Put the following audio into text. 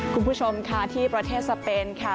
คุณผู้ชมค่ะที่ประเทศสเปนค่ะ